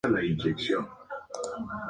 Su último álbum, "Go Cat Go!